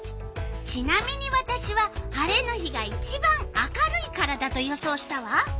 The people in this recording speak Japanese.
ちなみにわたしは晴れの日がいちばん明るいからだと予想したわ。